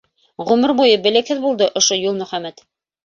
Ғүмер буйы белекһеҙ булды ошо Юлмөхәмәт.